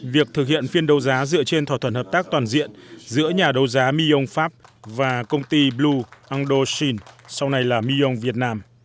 việc thực hiện phiên đấu giá dựa trên thỏa thuận hợp tác toàn diện giữa nhà đấu giá millon pháp và công ty blue ando shin sau này là millon việt nam